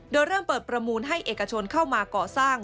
โดยเริ่มเปิดประมูลให้เอกชนเข้ามาก่อสร้าง